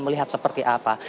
melihat seperti apa